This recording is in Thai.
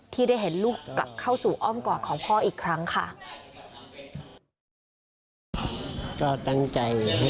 ที่ได้เห็นลูกกลับเข้าสู่อ้อมกอดของพ่ออีกครั้งค่ะ